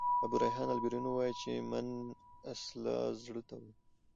ابو ریحان البروني وايي چي: "من" اصلاً زړه ته وايي.